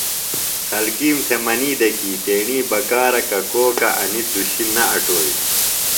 خلکِیم تھےۡ منی دےۡ کی تیݨی بکارہ ککوکہ انیۡ دُشیۡ نہ اُڑوئی۔